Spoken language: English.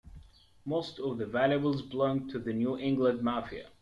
Most of the valuables belonged to the New England mafia.